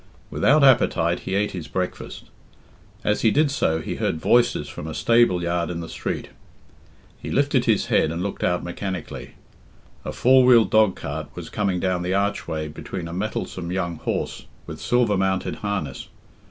Without appetite he ate his breakfast. As he did so he heard voices from a stable yard in the street. He lifted his head and looked out mechanically. A four wheeled dogcart was coming down the archway behind a mettlesome young horse with silver mounted harness.